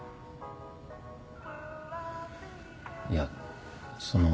いやその。